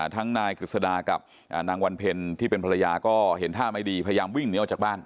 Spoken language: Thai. ทั้งนายกฤษดากับนางวันเพ็ญที่เป็นภรรยาก็เห็นท่าไม่ดีพยายามวิ่งหนีออกจากบ้าน